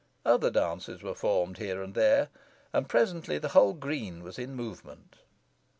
Other dances were formed here and there, and presently the whole green was in movement.